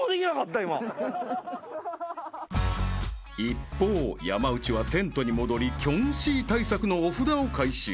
［一方山内はテントに戻りキョンシー対策のお札を回収］